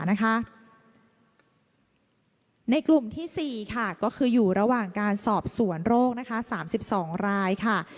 ในกลุ่มที่๔ค่ะก็คืออยู่ระหว่างการสอบสวนโรค๓๒รายค่ะ